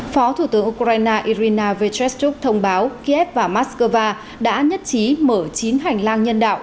phó thủ tướng ukraine irina vechesuv thông báo kiev và moscow đã nhất trí mở chín hành lang nhân đạo